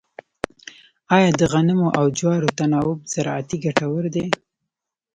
آیا د غنمو او جوارو تناوب زراعتي ګټور دی؟